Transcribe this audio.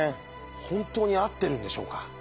本当に合ってるんでしょうか？